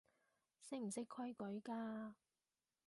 識唔識規矩㗎